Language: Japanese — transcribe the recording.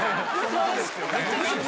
そうですよね。